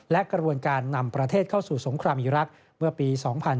และกระบวนการนำประเทศเข้าสู่สงครามอีรักษ์เมื่อปี๒๕๕๙